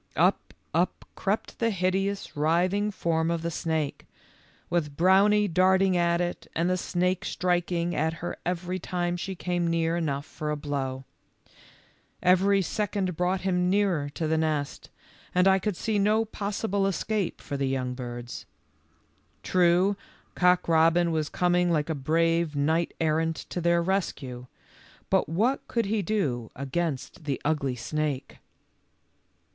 Up, up crept the hideous writhing form of the snake, with Brownie darting at it and the snake striking at her every time she came near enough for a blow. Every second brought him nearer to the nest, and I could see no possible escape for the young birds. True, Cock robin was coming like a brave knight errant to their rescue, but what could he do against the ugly snake?